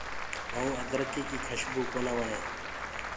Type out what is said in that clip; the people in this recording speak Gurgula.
مئُونٚ ادرڪيٚ ڪيٚ کشبُو ڪونآ وڻي۔